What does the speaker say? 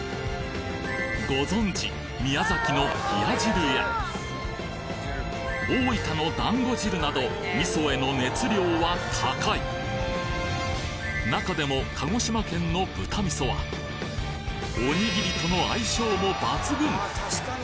ご存じ宮崎の冷汁や大分のだんご汁など味噌への熱量は高い中でも鹿児島県の豚味噌はおにぎりとの相性もバツグン！